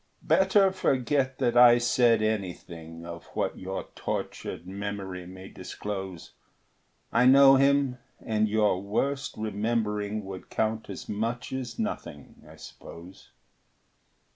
Better forget that I said anything Of what your tortured memory may disclose; I know him, and your worst remembering Would count as much as nothing, I suppose.